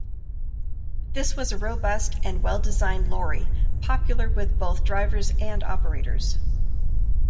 This was a robust and well-designed lorry, popular with both drivers and operators.